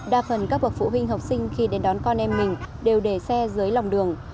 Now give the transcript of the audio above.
đa phần các bậc phụ huynh học sinh khi đến đón con em mình đều để xe dưới lòng đường